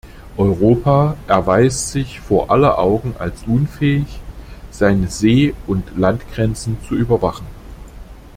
Europa erweist sich vor aller Augen als unfähig, seine See- und Landgrenzen zu überwachen.